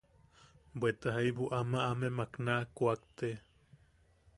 Bweta jaibu ama amemak naj kuakte.